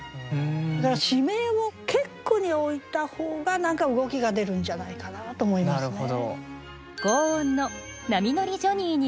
だから地名を結句に置いた方が何か動きが出るんじゃないかなと思いますね。